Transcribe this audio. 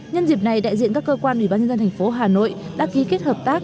nhân dịp này đại diện các cơ quan ủy ban nhân dân thành phố hà nội đã ký kết hợp tác